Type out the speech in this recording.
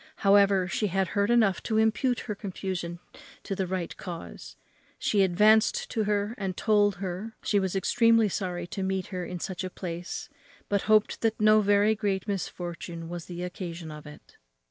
However, she had heard enough to impute her confusion to the right cause; she advanced to her, and told her, she was extremely sorry to meet her in such a place, but hoped that no very great misfortune was the occasion of it.